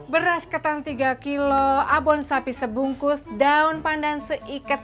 beras ketan tiga kg abon sapi sebungkus daun pandan seikat